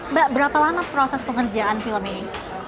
mbak berapa lama proses pengerjaan film ini